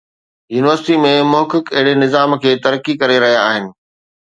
university ۾ محقق اهڙي نظام کي ترقي ڪري رهيا آهن